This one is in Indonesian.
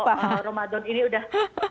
kalau ramadan ini udah